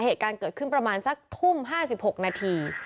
เหตุการณ์เกิดขึ้นประมาณสักทุ่ม๕๖นาที